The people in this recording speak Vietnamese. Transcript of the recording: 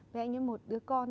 với anh ấy một đứa con